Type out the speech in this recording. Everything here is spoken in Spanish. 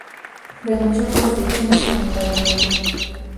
Renunció por fricciones con el gabinete.